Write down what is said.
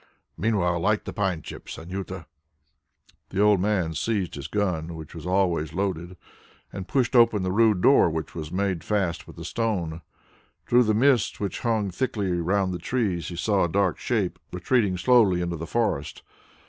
Meanwhile light the pine chips, Anjuta." The old man seized his gun, which was always loaded, and pushed open the rude door, which was made fast with a stone. Through the mist which hung thickly round the trees he saw a dark shape retreating slowly into the forest.